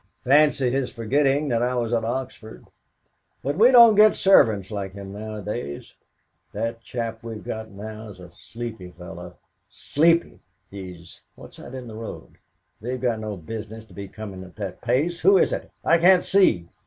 Fancy his forgetting that I was at Oxford. But we don't get servants like him nowadays. That chap we've got now is a sleepy fellow. Sleepy! he's What's that in the road? They've no business to be coming at that pace. Who is it? I can't see."